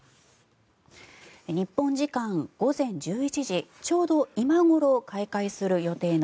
日本時間午前１１時ちょうど今頃開会する予定の